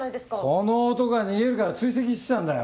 この男が逃げるから追跡してたんだよ。